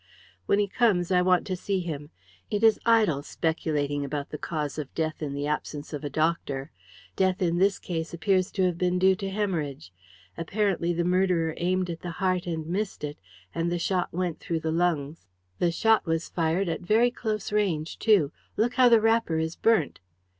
"When he comes I want to see him. It is idle speculating about the cause of death in the absence of a doctor. Death in this case appears to have been due to hæmorrhage. Apparently the murderer aimed at the heart and missed it, and the shot went through the lungs. The shot was fired at very close range too look how the wrapper is burnt!